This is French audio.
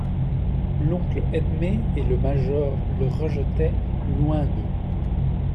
L'oncle Edme et le major le rejetaient loin d'eux.